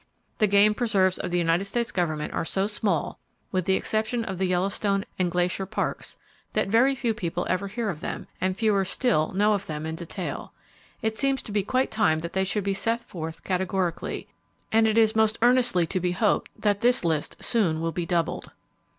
The game preserves of the United States government are so small (with the exception of the Yellowstone and Glacier Parks), that very few people ever hear of them, and fewer still know of them in detail. It seems to be quite time that they should be set forth categorically; and it is most earnestly to be hoped that this list soon will be doubled.